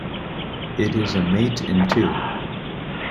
It is a mate in two.